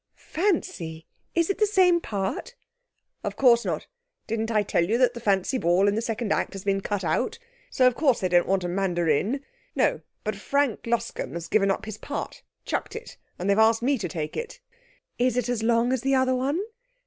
'Fancy! Is it the same part?' 'Of course not. Didn't I tell you that the fancy ball in the second act has been cut out, so of course they don't want a mandarin. No; but Frank Luscombe has given up his part chucked it, and they have asked me to take it.' 'Is it as long as the other one?'